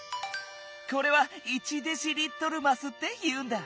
これは「１デシリットルます」っていうんだ。